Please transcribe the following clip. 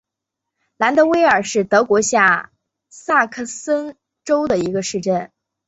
兰德韦尔是德国下萨克森州的一个市镇。